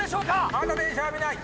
まだ電車は見ない！